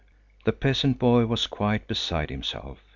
The peasant boy was quite beside himself.